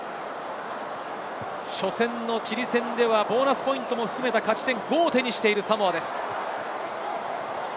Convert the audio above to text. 初戦のチリ戦ではボーナスポイントも含めた勝ち点５を手にしているサモアです。